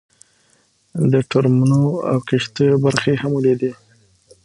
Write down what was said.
د ټرمونو او کښتیو برخې یې هم ولیدې.